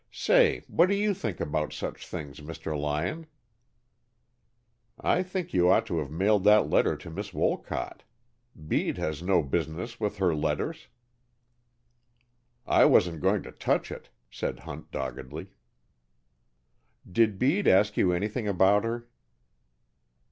Say, what do you think about such things, Mr. Lyon?" "I think you ought to have mailed that letter to Miss Wolcott. Bede has no business with her letters." "I wasn't going to touch it," said Hunt doggedly. "Did Bede ask you anything about her?"